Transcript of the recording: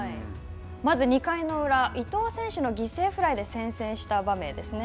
まず２回裏、伊藤選手の犠牲フライで先制した場面ですね。